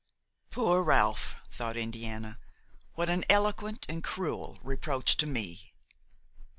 "Poor Ralph!" thought Indiana; "what an eloquent and cruel reproach to me!"